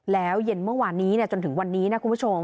แล้วเย็นเมื่อวานนี้จนถึงวันนี้นะคุณผู้ชม